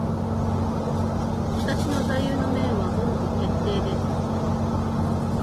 私の座右の銘は凡事徹底です。